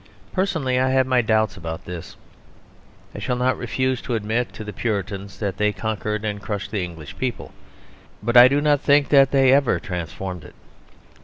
Personally, I have my doubts about this. I shall not refuse to admit to the Puritans that they conquered and crushed the English people; but I do not think that they ever transformed it.